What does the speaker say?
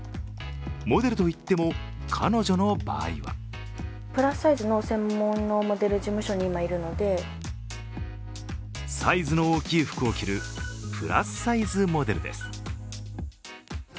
モデルといっても、彼女の場合はサイズの大きい服を着るプラスサイズモデルです。